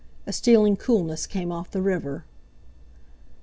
A stealing coolness came off the river.